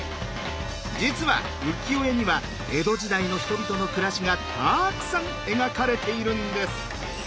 実は浮世絵には江戸時代の人々の暮らしがたくさん描かれているんです。